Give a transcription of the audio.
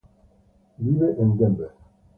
Vive en Denver.